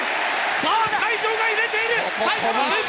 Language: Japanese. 会場が揺れている！